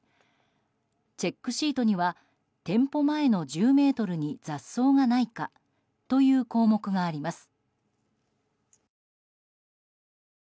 チェックシートには店舗前の１０ｍに雑草がないかという項目があります。